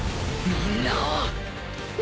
みんなを